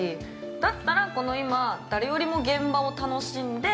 だったら、誰よりも現場を楽しんで。